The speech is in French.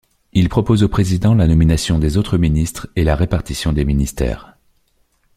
Il propose au président la nomination des autres ministres et la répartition des ministères.